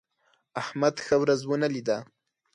احمد ښه ورځ ونه لیده.